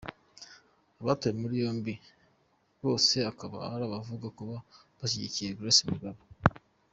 Abatawe muri yombi bose akaba ari abavugwa kuba bashyigikiye Grace Mugabe.